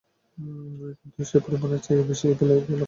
কিন্তু সেই পরিমাণের চেয়ে বেশি খেয়ে ফেললেই লক্ষণগুলো দেখা দেয়।